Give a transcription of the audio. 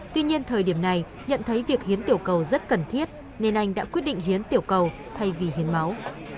tuy nhiên thời điểm này nhận thấy việc hiến tiểu cầu rất cần thiết nên anh đã quyết định hiến tiểu cầu thay vì hiến máu